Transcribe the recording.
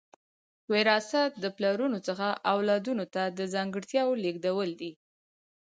وراثت د پلرونو څخه اولادونو ته د ځانګړتیاوو لیږدول دي